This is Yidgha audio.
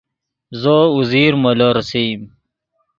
زو اوزیر مولو ریسئیم